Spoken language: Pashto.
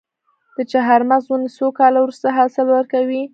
د چهارمغز ونې څو کاله وروسته حاصل ورکوي؟